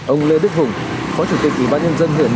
ông lê đức hùng phó chủ tịch ubnd huyện